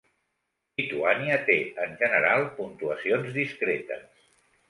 Lituània té, en general, puntuacions discretes.